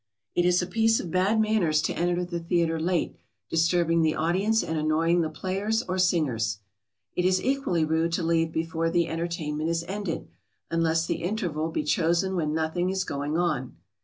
] It is a piece of bad manners to enter the theatre late, disturbing the audience and annoying the players or singers. [Sidenote: And leaving early.] It is equally rude to leave before the entertainment is ended, unless the interval be chosen when nothing is going on.